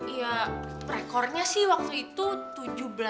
ya rekornya sih waktu itu tuh dia